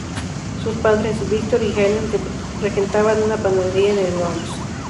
Sus padres, Victor y Helen regentaban una panadería en El Bronx.